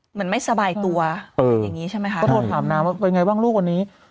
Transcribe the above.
เหมือนไม่สบายตัวอย่างงี้ใช่ไหมคะก็โทรถามนางว่าเป็นไงบ้างลูกวันนี้